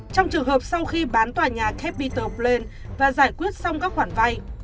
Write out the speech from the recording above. trong trường hợp sau khi bán tòa nhà capital plan và giải quyết xong các khoản vai